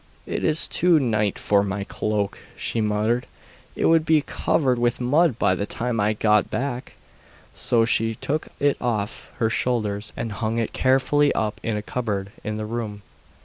'It is no night for my cloak,' she muttered; 'it would be covered with mud by the time I got back.' So she took it off her shoulders and hung it carefully up in a cupboard in the room.